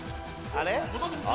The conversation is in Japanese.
あれ？